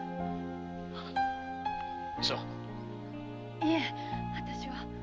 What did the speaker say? いえあたしは。